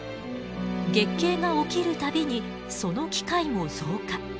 月経が起きる度にその機会も増加。